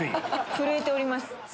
震えております。